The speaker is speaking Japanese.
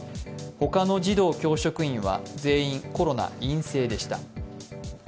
他の児童・教職員は全員コロナ陰性でした。